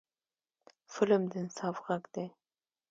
فلم د انصاف غږ دی